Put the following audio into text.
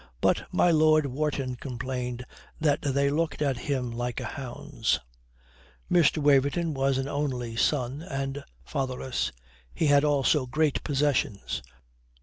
But my Lord Wharton complained that they looked at him like a hound's. Mr. Waverton was an only son, and fatherless. He had also great possessions.